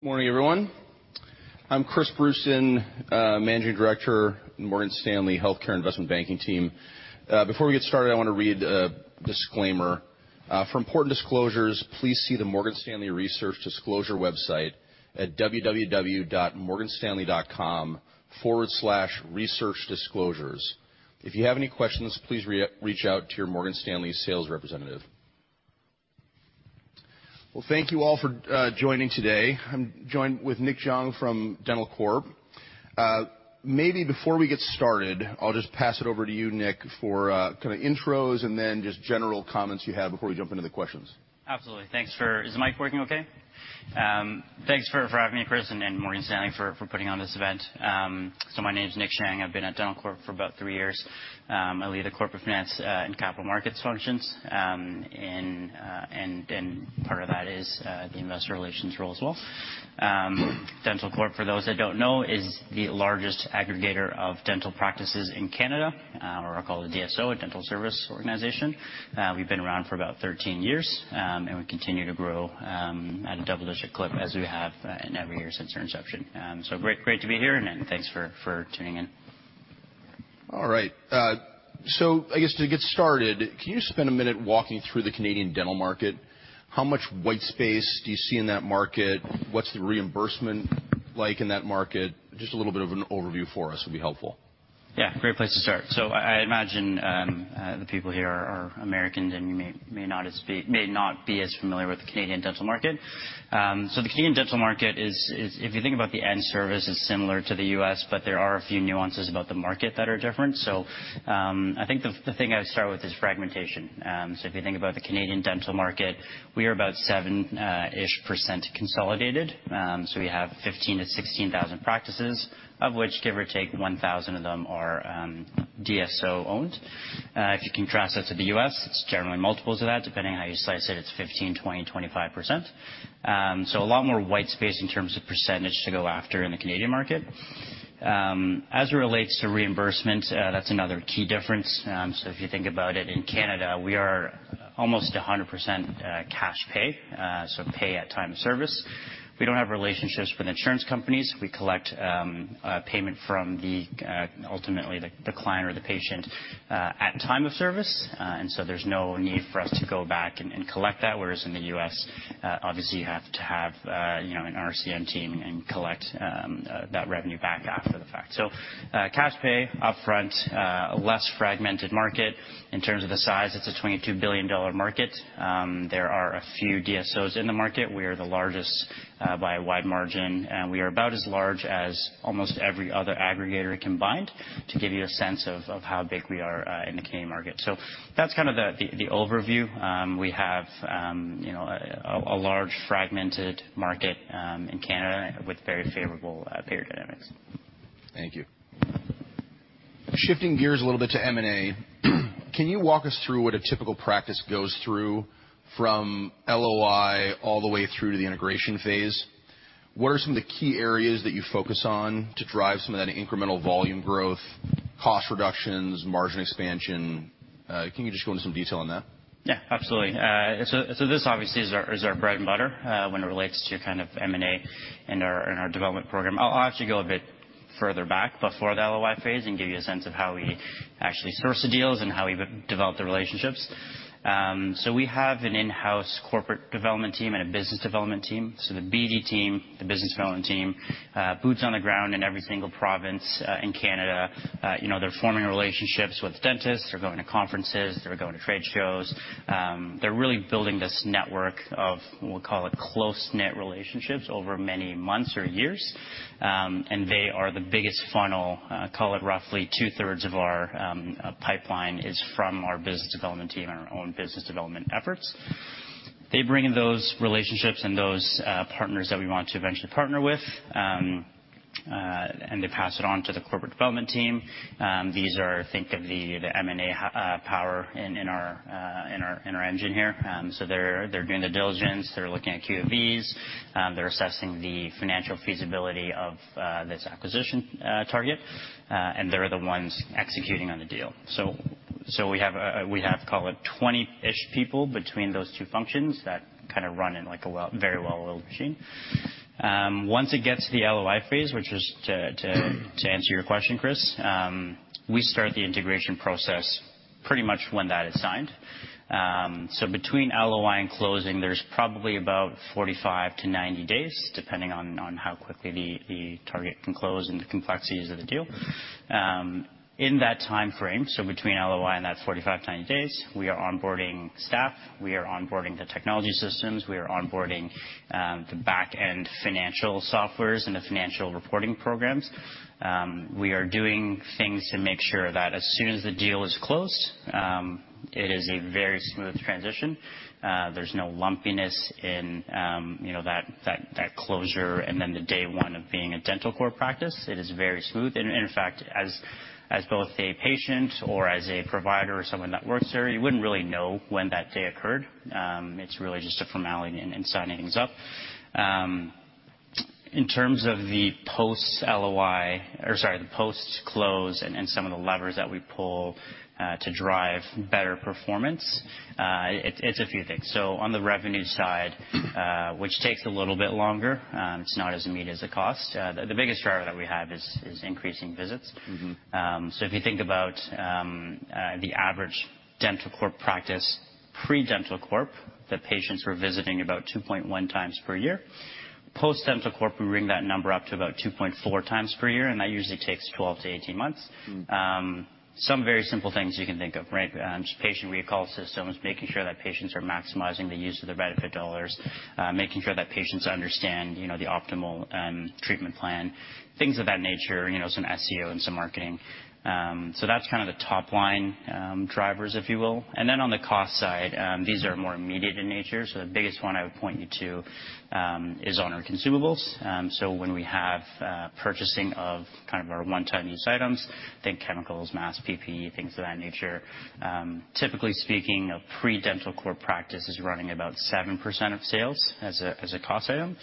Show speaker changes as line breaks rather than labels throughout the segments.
Morning, everyone. I'm Chris Brustuen, Managing Director, Morgan Stanley Healthcare Investment Banking team. Before we get started, I want to read a disclaimer. "For important disclosures, please see the Morgan Stanley Research Disclosure website at www.morganstanley.com/researchdisclosures. If you have any questions, please reach out to your Morgan Stanley sales representative." Thank you all for joining today. I'm joined with Nick Xiang from Dentalcorp. Before we get started, I'll just pass it over to you, Nick, for kind of intros and then just general comments you have before we jump into the questions.
Absolutely. Thanks for. Is the mic working okay? Thanks for having me, Chris, and Morgan Stanley, for putting on this event. So my name's Nick Xiang. I've been at Dentalcorp for about three years. I lead the corporate finance and capital markets functions, and part of that is the investor relations role as well. Dentalcorp, for those that don't know, is the largest aggregator of dental practices in Canada, or called a DSO, a dental service organization. We've been around for about 13 years, and we continue to grow at a double-digit clip as we have in every year since our inception. So great, great to be here, and thanks for tuning in.
All right. So I guess to get started, can you spend a minute walking through the Canadian dental market? How much white space do you see in that market? What's the reimbursement like in that market? Just a little bit of an overview for us would be helpful.
Yeah, great place to start. So I imagine the people here are American and you may not be as familiar with the Canadian dental market. So the Canadian dental market is, if you think about the end service, similar to the U.S., but there are a few nuances about the market that are different. So I think the thing I'd start with is fragmentation. So if you think about the Canadian dental market, we are about 7-ish% consolidated. So we have 15-16 thousand practices, of which, give or take, 1,000 of them are DSO-owned. If you contrast that to the U.S., it's generally multiples of that, depending on how you slice it, it's 15, 20, 25%. So a lot more white space in terms of percentage to go after in the Canadian market. As it relates to reimbursement, that's another key difference. So if you think about it, in Canada, we are almost 100% cash pay, so pay at time of service. We don't have relationships with insurance companies. We collect payment from ultimately the client or the patient at time of service, and so there's no need for us to go back and collect that. Whereas in the U.S., obviously, you have to have you know an RCM team and collect that revenue back after the fact. So cash pay, upfront, a less fragmented market. In terms of the size, it's a 22 billion dollar market. There are a few DSOs in the market. We are the largest by a wide margin, and we are about as large as almost every other aggregator combined, to give you a sense of how big we are in the Canadian market. So that's kind of the overview. We have you know a large fragmented market in Canada with very favorable payer dynamics.
Thank you. Shifting gears a little bit to M&A, can you walk us through what a typical practice goes through from LOI all the way through to the integration phase? What are some of the key areas that you focus on to drive some of that incremental volume growth, cost reductions, margin expansion? Can you just go into some detail on that?
Yeah, absolutely. So this obviously is our bread and butter when it relates to kind of M&A and our development program. I'll actually go a bit further back before the LOI phase and give you a sense of how we actually source the deals and how we develop the relationships. So we have an in-house corporate development team and a business development team. So the BD team, the business development team, boots on the ground in every single province in Canada. You know, they're forming relationships with dentists. They're going to conferences, they're going to trade shows. They're really building this network of, we'll call it, close-knit relationships over many months or years. And they are the biggest funnel, call it roughly two-thirds of our pipeline is from our business development team and our own business development efforts. They bring in those relationships and those partners that we want to eventually partner with, and they pass it on to the corporate development team. These are. Think of the M&A power in our engine here. So they're doing the diligence, they're looking at QofE, they're assessing the financial feasibility of this acquisition target, and they're the ones executing on the deal. So we have, call it, 20-ish people between those two functions that kind of run like a very well-oiled machine. Once it gets to the LOI phase, which is to answer your question, Chris, we start the integration process pretty much when that is signed, so between LOI and closing, there's probably about 45-90 days, depending on how quickly the target can close and the complexities of the deal. In that timeframe, so between LOI and that 45-90 days, we are onboarding staff, we are onboarding the technology systems, we are onboarding the back-end financial softwares and the financial reporting programs. We are doing things to make sure that as soon as the deal is closed, it is a very smooth transition. There's no lumpiness in, you know, that closure and then the day one of being a Dentalcorp practice. It is very smooth, and in fact, as both a patient or as a provider or someone that works there, you wouldn't really know when that day occurred. It's really just a formality in signing things up. In terms of the post-LOI, or sorry, the post-close and some of the levers that we pull to drive better performance, it's a few things. So on the revenue side, which takes a little bit longer, it's not as immediate as the cost. The biggest driver that we have is increasing visits.
Mm-hmm.
If you think about the average Dentalcorp practice, pre-Dentalcorp, the patients were visiting about 2.1 times per year. Post-Dentalcorp, we bring that number up to about 2.4 times per year, and that usually takes 12-18 months.
Mm.
Some very simple things you can think of, right? Just patient recall systems, making sure that patients are maximizing the use of their benefit dollars, making sure that patients understand, you know, the optimal, treatment plan, things of that nature, you know, some SEO and some marketing. So that's kind of the top line, drivers, if you will. And then on the cost side, these are more immediate in nature. So the biggest one I would point you to, is on our consumables. So when we have, purchasing of kind of our one-time use items, think chemicals, masks, PPE, things of that nature. Typically speaking, a pre-Dentalcorp practice is running about 7% of sales as a cost item.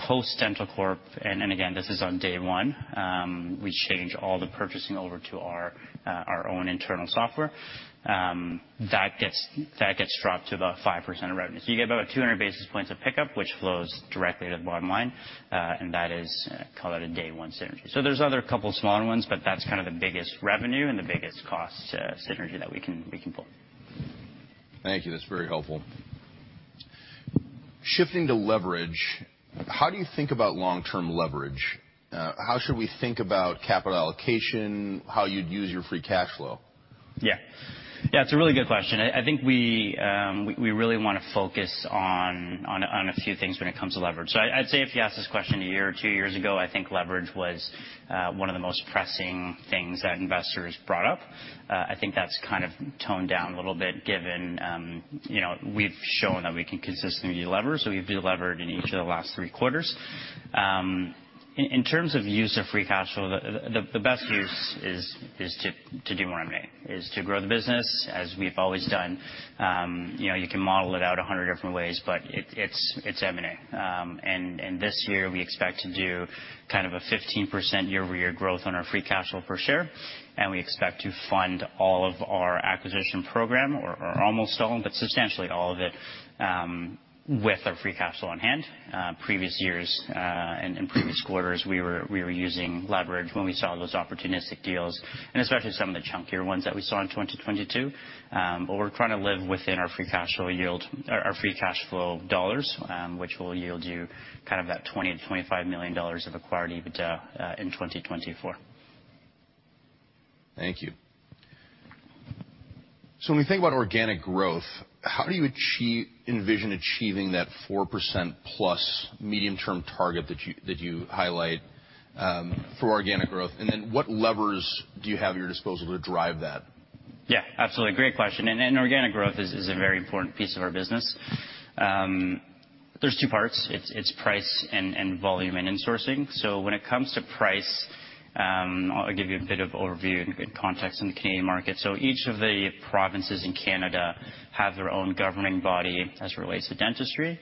Dentalcorp, and again, this is on day one. We change all the purchasing over to our own internal software. That gets dropped to about 5% of revenue. So you get about 200 basis points of pickup, which flows directly to the bottom line, and that is, call it, a day one synergy. So there's other couple of smaller ones, but that's kind of the biggest revenue and the biggest cost synergy that we can pull.
Thank you. That's very helpful. Shifting to leverage, how do you think about long-term leverage? How should we think about capital allocation, how you'd use your free cash flow?
Yeah. Yeah, it's a really good question. I think we really wanna focus on a few things when it comes to leverage. So I'd say if you asked this question a year or two years ago, I think leverage was one of the most pressing things that investors brought up. I think that's kind of toned down a little bit, given you know, we've shown that we can consistently delever, so we've delevered in each of the last three quarters. In terms of use of free cash flow, the best use is to do more M&A, is to grow the business, as we've always done. You know, you can model it out a hundred different ways, but it's M&A. This year, we expect to do kind of a 15% year-over-year growth on our free cash flow per share, and we expect to fund all of our acquisition program, or almost all, but substantially all of it, with our free cash flow on hand. Previous years and previous quarters, we were using leverage when we saw those opportunistic deals, and especially some of the chunkier ones that we saw in 2022. But we're trying to live within our free cash flow yield. Our free cash flow dollars, which will yield you kind of that 20 million- 25 million dollars of acquired EBITDA, in 2024.
Thank you. So when we think about organic growth, how do you envision achieving that 4% plus medium-term target that you highlight for organic growth? And then what levers do you have at your disposal to drive that?
Yeah, absolutely. Great question. And organic growth is a very important piece of our business. There's two parts. It's price and volume and insourcing. So when it comes to price, I'll give you a bit of overview and context in the Canadian market. So each of the provinces in Canada have their own governing body as it relates to dentistry.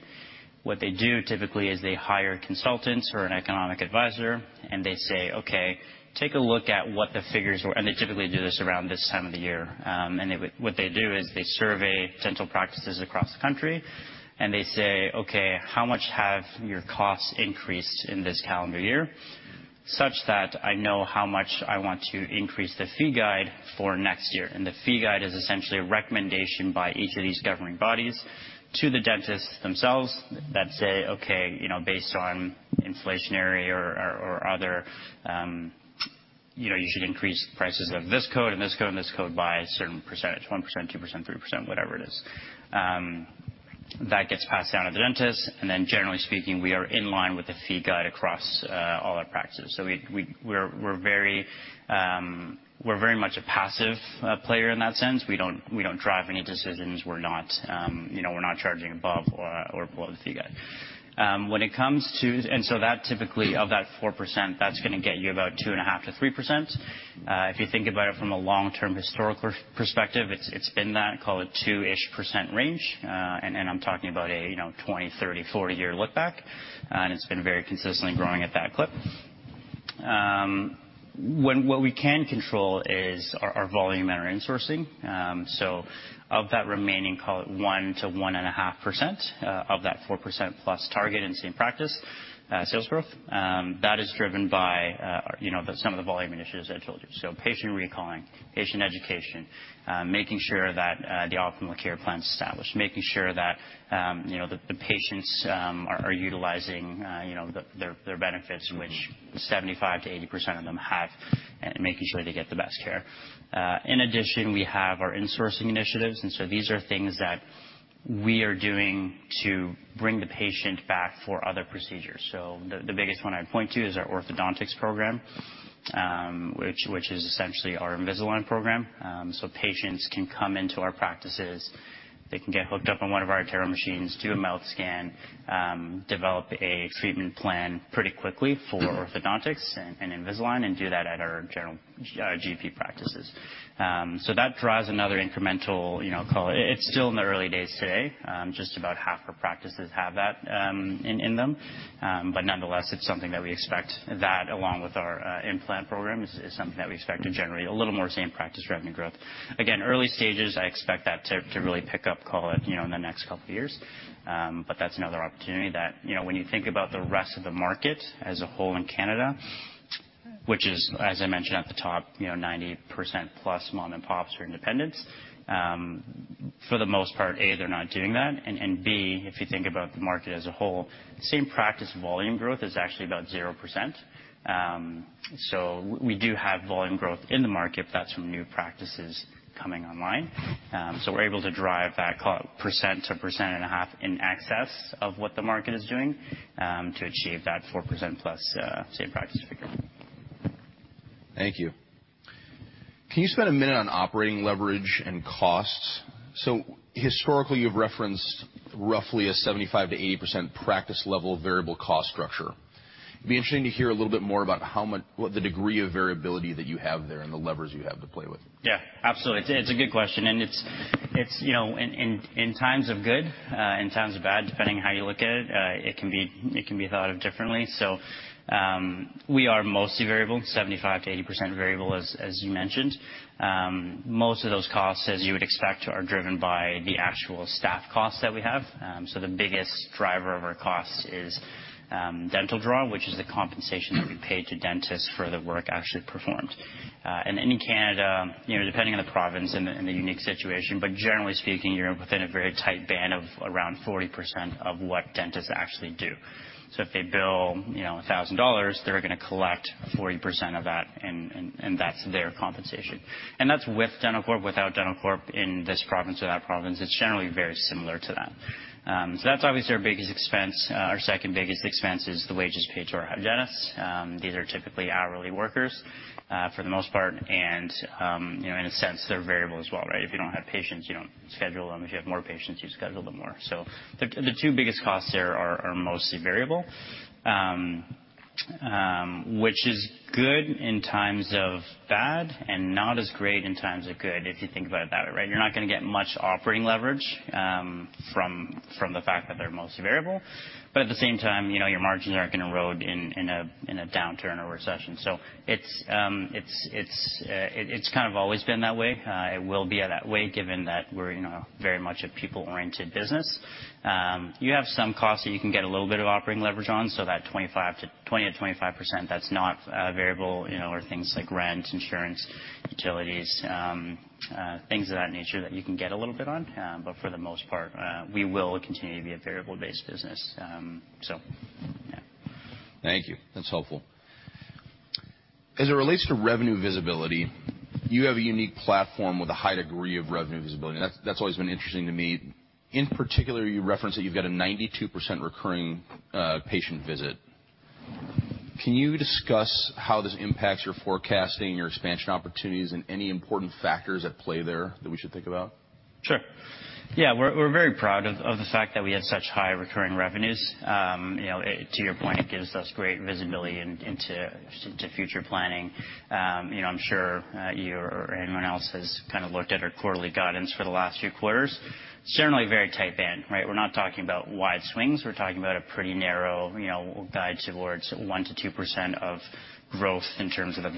What they do typically is they hire consultants or an economic advisor, and they say, "Okay, take a look at what the figures were." And they typically do this around this time of the year. What they do is they survey dental practices across the country, and they say, "Okay, how much have your costs increased in this calendar year, such that I know how much I want to increase the Fee Guide for next year?" And the Fee Guide is essentially a recommendation by each of these governing bodies to the dentists themselves that say, "Okay, you know, based on inflationary or other, you know, you should increase prices of this code and this code and this code by a certain percentage, 1%, 2%, 3%, whatever it is." That gets passed down to the dentist, and then, generally speaking, we are in line with the Fee Guide across all our practices. So we're very much a passive player in that sense. We don't drive any decisions. We're not, you know, we're not charging above or below the Fee Guide. And so that typically, of that 4%, that's gonna get you about 2.5%-3%. If you think about it from a long-term historical perspective, it's been that, call it 2-ish% range, and I'm talking about a 20, 30, 40-year look back, and it's been very consistently growing at that clip. What we can control is our volume and our insourcing. So of that remaining, call it 1-1.5%, of that 4% plus target in same practice sales growth, that is driven by, you know, some of the volume initiatives I told you. So patient recalling, patient education, making sure that the optimal care plan is established, making sure that you know the patients are utilizing you know their benefits-
Mm-hmm.
which 75%-80% of them have, making sure they get the best care. In addition, we have our insourcing initiatives, and so these are things that we are doing to bring the patient back for other procedures. The biggest one I'd point to is our orthodontics program, which is essentially our Invisalign program. Patients can come into our practices, they can get hooked up on one of our iTero machines, do a mouth scan, develop a treatment plan pretty quickly for orthodontics and Invisalign, and do that at our general GP practices. That drives another incremental, you know, call it... It's still in the early days today. Just about half our practices have that in them. Nonetheless, it's something that we expect. That, along with our implant programs, is something that we expect to generate a little more same practice revenue growth. Again, early stages, I expect that to really pick up, call it, you know, in the next couple of years. But that's another opportunity that, you know, when you think about the rest of the market as a whole in Canada, which is, as I mentioned at the top, you know, 90% plus mom-and-pops or independents, for the most part, A, they're not doing that, and B, if you think about the market as a whole, same practice volume growth is actually about 0%. So we do have volume growth in the market. That's from new practices coming online. So we're able to drive that, call it 1%-1.5%, in excess of what the market is doing, to achieve that 4% plus same practice figure.
Thank you. Can you spend a minute on operating leverage and costs, so historically, you've referenced roughly a 75%-80% practice level variable cost structure. It'd be interesting to hear a little bit more about what the degree of variability that you have there and the levers you have to play with.
Yeah, absolutely. It's a good question, and it's, you know, in times of good, in times of bad, depending on how you look at it, it can be thought of differently. So, we are mostly variable, 75%-80% variable, as you mentioned. Most of those costs, as you would expect, are driven by the actual staff costs that we have. So the biggest driver of our costs is dental draw, which is the compensation that we pay to dentists for the work actually performed. And in Canada, you know, depending on the province and the unique situation, but generally speaking, you're within a very tight band of around 40% of what dentists actually do. So if they bill, you know, 1,000 dollars, they're gonna collect 40% of that, and that's their compensation. And that's with Dentalcorp, without Dentalcorp, in this province or that province, it's generally very similar to that. So that's obviously our biggest expense. Our second biggest expense is the wages paid to our hygienists. These are typically hourly workers, for the most part, and, you know, in a sense, they're variable as well, right? If you don't have patients, you don't schedule them. If you have more patients, you schedule them more. So the two biggest costs there are mostly variable, which is good in times of bad and not as great in times of good, if you think about it that way, right? You're not gonna get much operating leverage from the fact that they're mostly variable, but at the same time, you know, your margins aren't gonna erode in a downturn or recession. So it's kind of always been that way. It will be that way, given that we're, you know, very much a people-oriented business. You have some costs that you can get a little bit of operating leverage on, so that 20%-25%, that's not variable, you know, are things like rent, insurance, utilities, things of that nature that you can get a little bit on. But for the most part, we will continue to be a variable-based business. So yeah.
Thank you. That's helpful. As it relates to revenue visibility, you have a unique platform with a high degree of revenue visibility. That's, that's always been interesting to me. In particular, you referenced that you've got a 92% recurring patient visit. Can you discuss how this impacts your forecasting, your expansion opportunities, and any important factors at play there that we should think about?
Sure. Yeah, we're very proud of the fact that we have such high recurring revenues. You know, to your point, it gives us great visibility into future planning. You know, I'm sure you or anyone else has kind of looked at our quarterly guidance for the last few quarters. Certainly very tight band, right? We're not talking about wide swings. We're talking about a pretty narrow, you know, guide towards 1%-2% growth in terms of the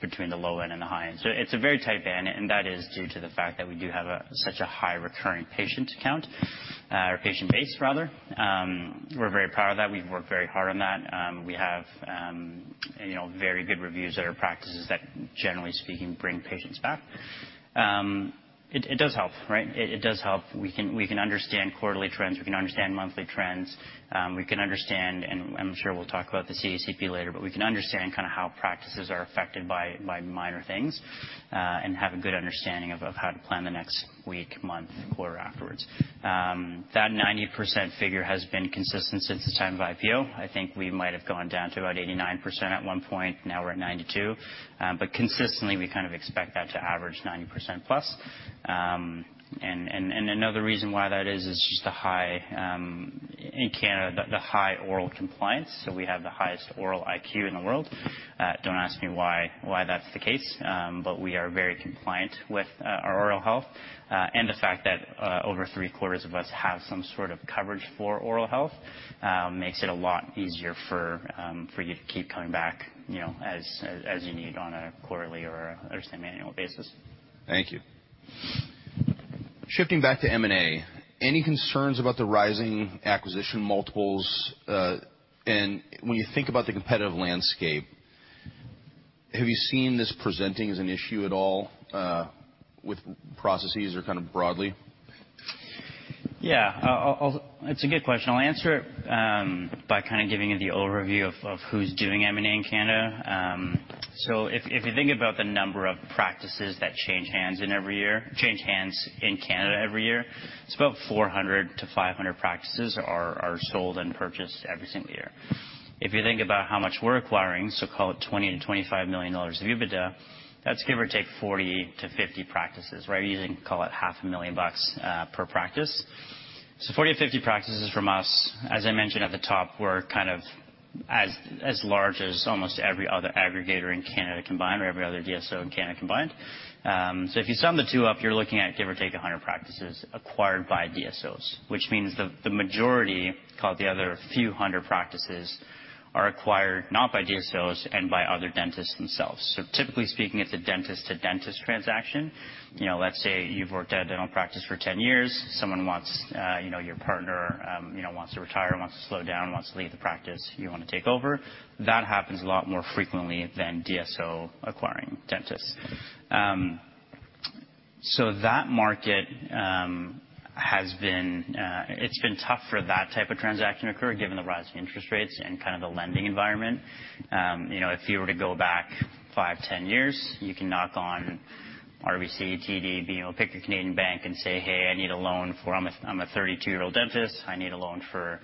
between the low end and the high end. So it's a very tight band, and that is due to the fact that we do have such a high recurring patient count or patient base, rather. We're very proud of that. We've worked very hard on that. We have, you know, very good reviews at our practices that, generally speaking, bring patients back. It does help, right? It does help. We can understand quarterly trends, we can understand monthly trends, we can understand, and I'm sure we'll talk about the CDCP later, but we can understand kind of how practices are affected by minor things, and have a good understanding of how to plan the next week, month, quarter afterwards. That 90% figure has been consistent since the time of IPO. I think we might have gone down to about 89% at one point. Now we're at 92%. But consistently, we kind of expect that to average 90% plus. Another reason why that is is just the high oral compliance in Canada, so we have the highest oral IQ in the world. Don't ask me why that's the case, but we are very compliant with our oral health, and the fact that over three-quarters of us have some sort of coverage for oral health makes it a lot easier for you to keep coming back, you know, as you need on a quarterly or just an annual basis.
Thank you. Shifting back to M&A, any concerns about the rising acquisition multiples, and when you think about the competitive landscape, have you seen this presenting as an issue at all, with processes or kind of broadly?
Yeah, I'll. It's a good question. I'll answer it by kind of giving you the overview of who's doing M&A in Canada. So if you think about the number of practices that change hands in Canada every year, it's about 400-500 practices are sold and purchased every single year. If you think about how much we're acquiring, so call it 20 million-25 million dollars of EBITDA, that's give or take 40-50 practices, right? Using call it 500,000 bucks per practice. So 40-50 practices from us, as I mentioned at the top, we're kind of as large as almost every other aggregator in Canada combined, or every other DSO in Canada combined. So if you sum the two up, you're looking at give or take, a hundred practices acquired by DSOs, which means the majority, call it the other few hundred practices, are acquired not by DSOs and by other dentists themselves. Typically speaking, it's a dentist-to-dentist transaction. You know, let's say you've worked at a dental practice for ten years. Someone wants, you know, your partner, you know, wants to retire, wants to slow down, wants to leave the practice, you want to take over. That happens a lot more frequently than DSO acquiring dentists. That market has been, it's been tough for that type of transaction to occur, given the rising interest rates and kind of the lending environment. You know, if you were to go back five, 10 years, you can knock on RBC, TD, you know, pick your Canadian bank and say, "Hey, I need a loan. I'm a 32-year-old dentist. I need a loan for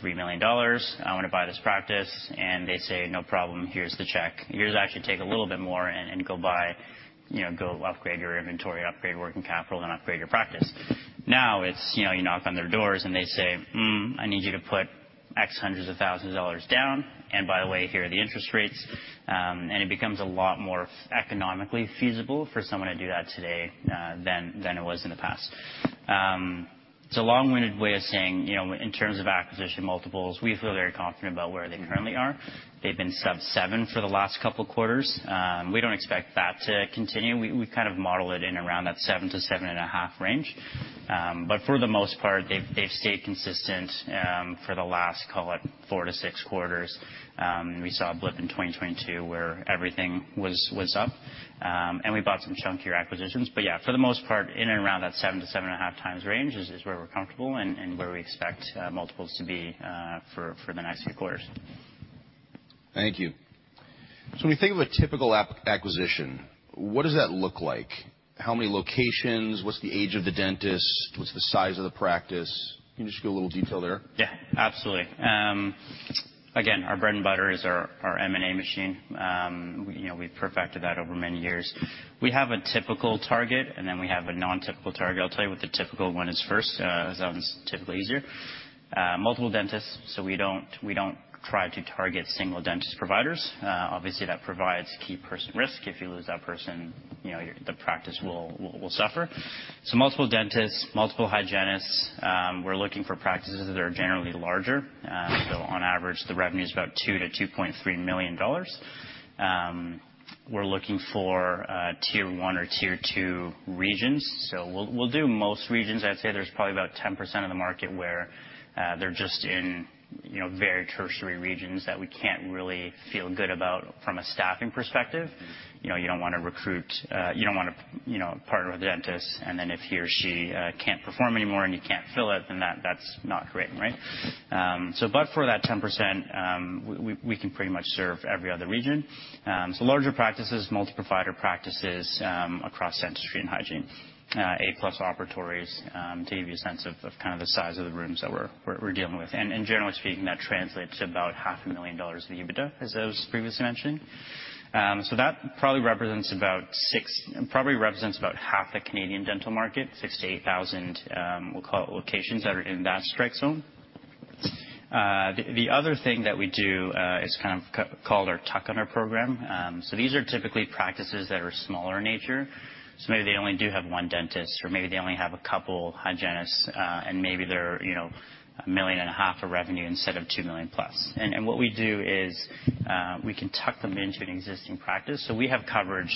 3 million dollars. I want to buy this practice." And they say, "No problem. Here's the check. Here's actually take a little bit more and go buy, you know, go upgrade your inventory, upgrade working capital, and upgrade your practice." Now, it's, you know, you knock on their doors, and they say, "Hmm, I need you to put X hundreds of thousands of dollars down. And by the way, here are the interest rates." And it becomes a lot more economically feasible for someone to do that today than it was in the past. It's a long-winded way of saying, you know, in terms of acquisition multiples, we feel very confident about where they currently are. They've been sub seven for the last couple of quarters. We don't expect that to continue. We kind of model it in around that seven to seven and a half range. But for the most part, they've stayed consistent for the last, call it four to six quarters. We saw a blip in 2022, where everything was up, and we bought some chunkier acquisitions. But yeah, for the most part, in and around that seven to seven and a half times range is where we're comfortable and where we expect multiples to be for the next few quarters.
Thank you. So when you think of a typical acquisition, what does that look like? How many locations? What's the age of the dentist? What's the size of the practice? Can you just give a little detail there?
Yeah, absolutely. Again, our bread and butter is our M&A machine. You know, we've perfected that over many years. We have a typical target, and then we have a non-typical target. I'll tell you what the typical one is first, as that one's typically easier. Multiple dentists, so we don't try to target single dentist providers. Obviously, that provides key person risk. If you lose that person, you know, the practice will suffer. So multiple dentists, multiple hygienists. We're looking for practices that are generally larger. So on average, the revenue is about 2 million-2.3 million dollars. We're looking for tier one or tier two regions. So we'll do most regions. I'd say there's probably about 10% of the market where, they're just in, you know, very tertiary regions that we can't really feel good about from a staffing perspective. You know, you don't want to recruit... you don't want to, you know, partner with a dentist, and then if he or she, can't perform anymore and you can't fill it, then that, that's not great, right? So, but for that 10%, we can pretty much serve every other region. So larger practices, multiple provider practices, across dentistry and hygiene, A-plus operatories, to give you a sense of kind of the size of the rooms that we're dealing with. In general speaking, that translates to about 500,000 dollars of EBITDA, as I previously mentioned. So that probably represents about half the Canadian dental market, six to eight thousand, we'll call it, locations that are in that strike zone. The other thing that we do is kind of called our Tuck-under program. So these are typically practices that are smaller in nature, so maybe they only do have one dentist, or maybe they only have a couple hygienists, and maybe they're, you know, 1.5 million of revenue instead of two million plus. And what we do is, we can tuck them into an existing practice, so we have coverage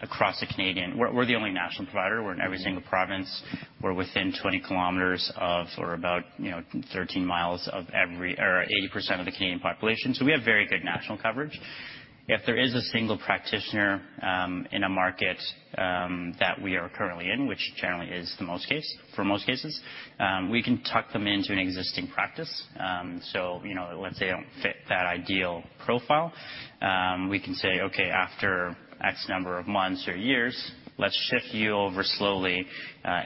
across the Canadian. We're the only national provider. We're in every single province. We're within twenty kilometers of, or about, you know, thirteen miles of eighty percent of the Canadian population, so we have very good national coverage. If there is a single practitioner in a market that we are currently in, which generally is the case for most cases, we can tuck them into an existing practice. So, you know, let's say they don't fit that ideal profile, we can say, "Okay, after X number of months or years, let's shift you over slowly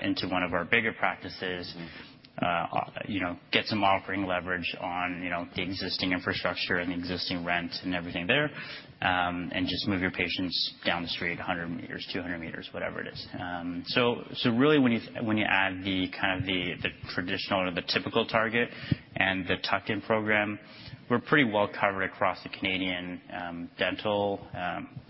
into one of our bigger practices.
Mm-hmm.
You know, get some operating leverage on, you know, the existing infrastructure and the existing rent and everything there, and just move your patients down the street, a hundred meters, two hundred meters, whatever it is. So, so really, when you, when you add the kind of the, the traditional or the typical target and the tuck-in program, we're pretty well covered across the Canadian dental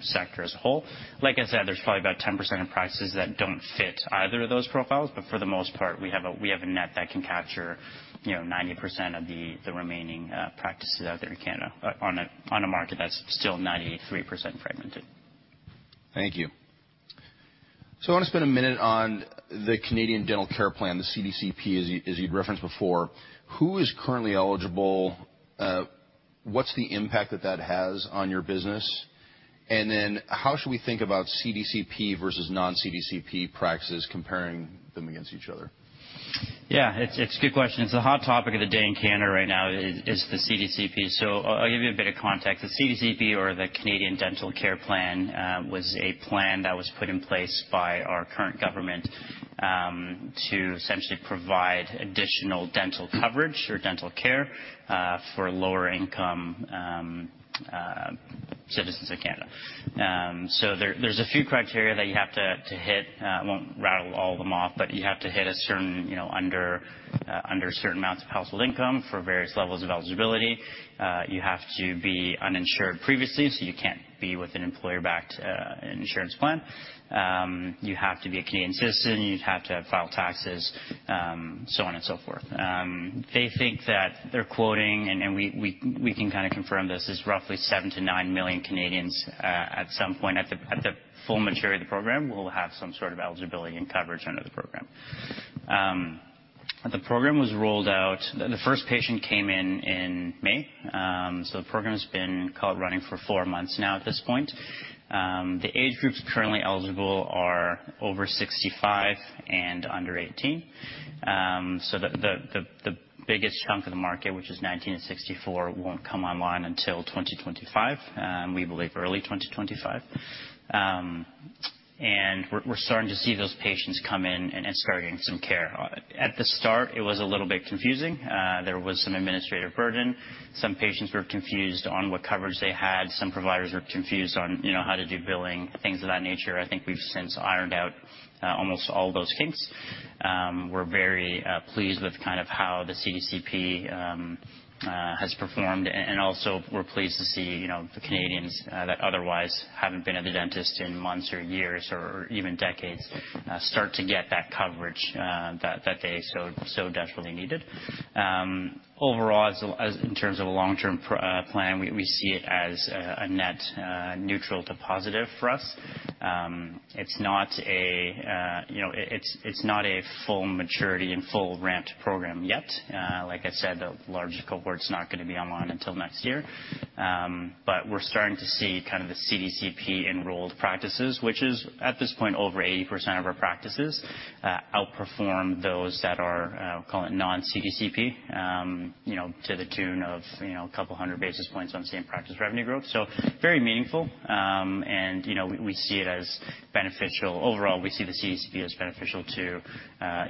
sector as a whole. Like I said, there's probably about 10% of practices that don't fit either of those profiles, but for the most part, we have a, we have a net that can capture, you know, 90% of the, the remaining practices out there in Canada on a, on a market that's still 93% fragmented.
Thank you. So I want to spend a minute on the Canadian Dental Care Plan, the CDCP, as you, as you'd referenced before. Who is currently eligible? What's the impact that that has on your business? And then how should we think about CDCP versus non-CDCP practices, comparing them against each other?
Yeah, it's, it's a good question. It's the hot topic of the day in Canada right now is the CDCP. So I'll, I'll give you a bit of context. The CDCP or the Canadian Dental Care Plan was a plan that was put in place by our current government to essentially provide additional dental coverage or dental care for lower income citizens of Canada. So there's a few criteria that you have to hit. I won't rattle all of them off, but you have to hit a certain, you know, under certain amounts of household income for various levels of eligibility. You have to be uninsured previously, so you can't be with an employer-backed insurance plan. You have to be a Canadian citizen, you'd have to file taxes, so on and so forth. They think that they're quoting, and we can kinda confirm this, is roughly seven to nine million Canadians, at some point, at the full maturity of the program, will have some sort of eligibility and coverage under the program. The program was rolled out. The first patient came in in May. So the program has been up and running for four months now at this point. The age groups currently eligible are over 65 and under 18. So the biggest chunk of the market, which is 19 to 64, won't come online until 2025, we believe early 2025. And we're starting to see those patients come in and starting some care. At the start, it was a little bit confusing. There was some administrative burden. Some patients were confused on what coverage they had, some providers were confused on, you know, how to do billing, things of that nature. I think we've since ironed out almost all those kinks. We're very pleased with kind of how the CDCP has performed, and also we're pleased to see, you know, the Canadians that otherwise haven't been at the dentist in months, or years, or even decades, start to get that coverage that they so desperately needed. Overall, as in terms of a long-term plan, we see it as a net neutral to positive for us. It's not a, you know, it's not a full maturity and full ramped program yet. Like I said, the larger cohort's not gonna be online until next year. But we're starting to see kind of the CDCP-enrolled practices, which is, at this point, over 80% of our practices, outperform those that are, call it non-CDCP, you know, to the tune of, you know, a couple hundred basis points on same-practice revenue growth. So very meaningful, and, you know, we see it as beneficial. Overall, we see the CDCP as beneficial to,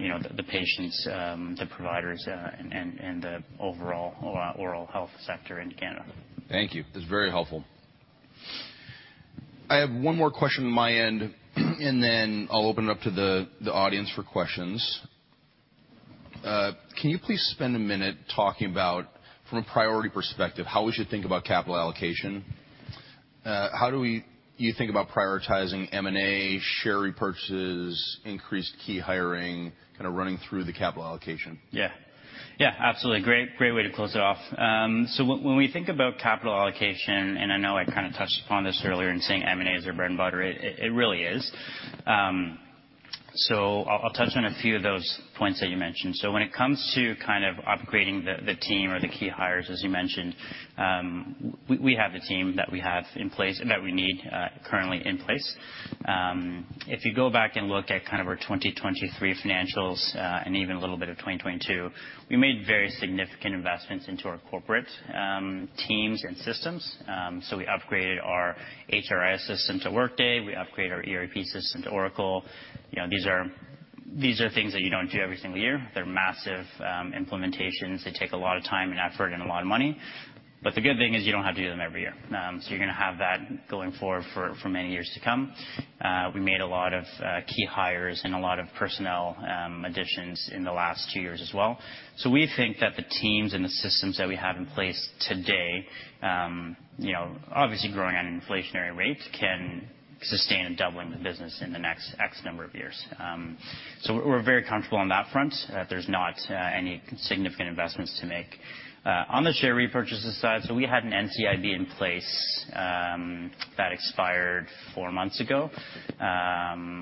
you know, the patients, the providers, and the overall oral health sector in Canada.
Thank you. It's very helpful. I have one more question on my end, and then I'll open it up to the audience for questions. Can you please spend a minute talking about, from a priority perspective, how we should think about capital allocation? How do we... You think about prioritizing M&A, share repurchases, increased key hiring, kind of running through the capital allocation?
Yeah. Yeah, absolutely. Great, great way to close it off. So when we think about capital allocation, and I know I kind of touched upon this earlier in saying M&A is our bread and butter, it really is. So I'll touch on a few of those points that you mentioned. So when it comes to kind of upgrading the team or the key hires, as you mentioned, we have the team that we have in place, that we need, currently in place. If you go back and look at kind of our 2023 financials, and even a little bit of 2022, we made very significant investments into our corporate teams and systems. So we upgraded our HRIS system to Workday, we upgraded our ERP system to Oracle. You know, these are, these are things that you don't do every single year. They're massive implementations. They take a lot of time and effort and a lot of money, but the good thing is you don't have to do them every year. So you're gonna have that going forward for many years to come. We made a lot of key hires and a lot of personnel additions in the last two years as well. So we think that the teams and the systems that we have in place today, you know, obviously growing at an inflationary rate, can sustain and doubling the business in the next X number of years. So we're very comfortable on that front. There's not any significant investments to make. On the share repurchase side, so we had an NCIB in place that expired four months ago.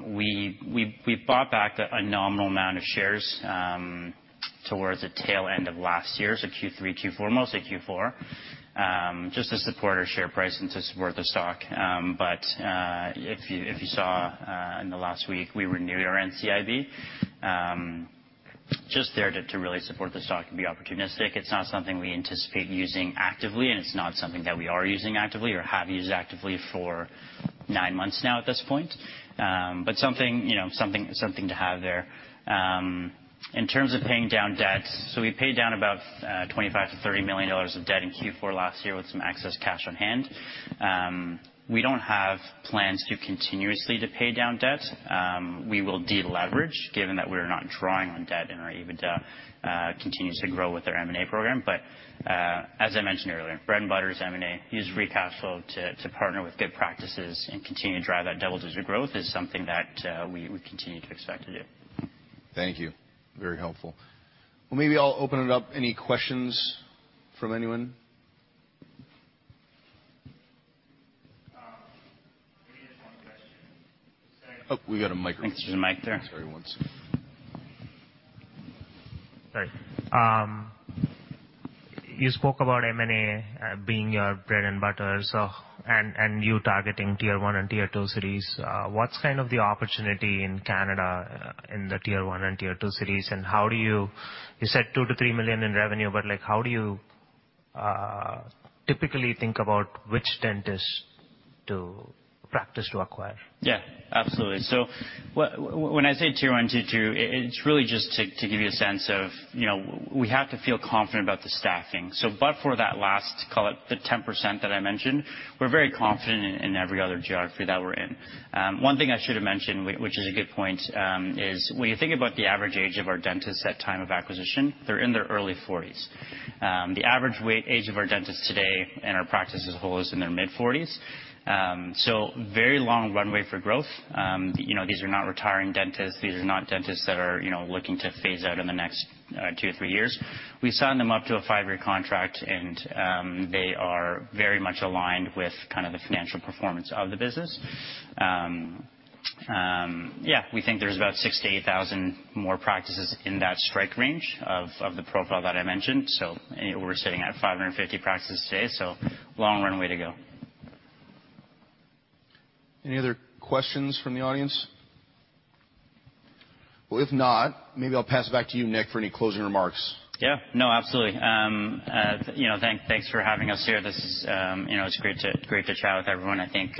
We bought back a nominal amount of shares towards the tail end of last year, so Q3, Q4, mostly Q4, just to support our share price and to support the stock, but if you saw in the last week, we renewed our NCIB. Just there to really support the stock and be opportunistic. It's not something we anticipate using actively, and it's not something that we are using actively or have used actively for nine months now at this point, but something, you know, to have there. In terms of paying down debt, so we paid down about 25 million-30 million dollars of debt in Q4 last year with some excess cash on hand. We don't have plans to continuously pay down debt. We will de-leverage, given that we're not drawing on debt and our EBITDA continues to grow with our M&A program. But, as I mentioned earlier, bread and butter is M&A. Use free cash flow to partner with good practices and continue to drive that double-digit growth is something that we continue to expect to do.
Thank you. Very helpful. Well, maybe I'll open it up. Any questions from anyone? Maybe just one question. Oh, we got a microphone.
I think there's a mic there.
Sorry, one second. Sorry. You spoke about M&A being your bread and butter, so... And you targeting Tier One and Tier Two cities. What's kind of the opportunity in Canada in the Tier One and Tier Two cities? And how do you-- You said 2 million-3 million in revenue, but, like, how do you typically think about which dentist to... practice to acquire?
Yeah, absolutely. So when, when I say Tier One, Tier Two, it's really just to give you a sense of, you know, we have to feel confident about the staffing. So but for that last, call it, the 10% that I mentioned, we're very confident in every other geography that we're in. One thing I should have mentioned, which is a good point, is when you think about the average age of our dentists at time of acquisition, they're in their early forties. The average age of our dentists today, and our practice as a whole, is in their mid-forties. So very long runway for growth. You know, these are not retiring dentists. These are not dentists that are, you know, looking to phase out in the next, two or three years. We sign them up to a five-year contract, and they are very much aligned with kind of the financial performance of the business. We think there's about 6,000-8,000 more practices in that strike range of the profile that I mentioned. So, we're sitting at 550 practices today, so long runway to go.
Any other questions from the audience? Well, if not, maybe I'll pass it back to you, Nick, for any closing remarks.
Yeah. No, absolutely. You know, thanks for having us here. This is, you know, it's great to chat with everyone. I think,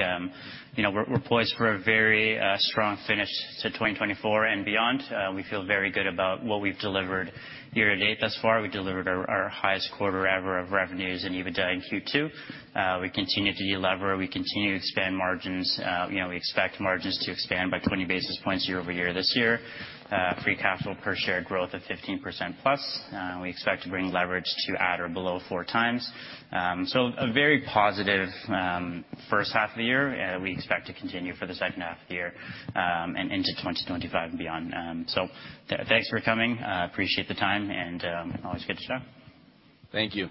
you know, we're poised for a very strong finish to 2024 and beyond. We feel very good about what we've delivered year to date thus far. We delivered our highest quarter ever of revenues and EBITDA in Q2. We continue to de-leverage, we continue to expand margins. You know, we expect margins to expand by 20 basis points year over year this year. Free cash flow per share growth of 15% plus. We expect to bring leverage to at or below four times. So a very positive first half of the year, we expect to continue for the second half of the year, and into twenty twenty-five and beyond. So thanks for coming. Appreciate the time, and always good to chat.
Thank you.